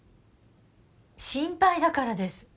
心配だからです。